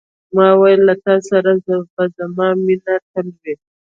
ما وویل، له تا سره به زما مینه تل وي.